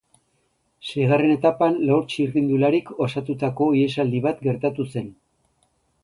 Seigarren etapan lau txirrindularik osatutako ihesaldi bat gertatu zen.